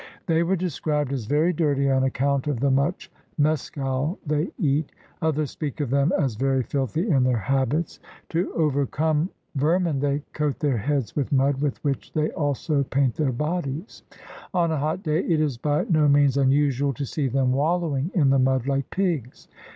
They were described as "very dirty on account of the much mescal they eat." Others speak of them as "very filthy in their habits. To overcome ver min they coat their heads with mud with which they alsc paint their bodies. On a hot day it is by no means unusual to see them wallowing in the mud like pigs."